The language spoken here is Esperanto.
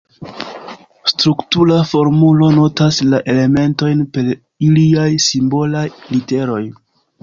Struktura formulo notas la elementojn per iliaj simbolaj literoj.